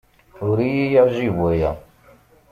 Ur iyi-yeɛjib waya.